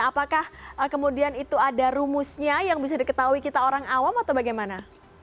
apakah kemudian itu ada rumusnya yang bisa diketahui kita orang awam atau bagaimana